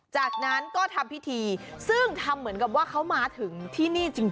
จากนั้นก็ทำพิธีซึ่งทำเหมือนกับว่าเขามาถึงที่นี่จริง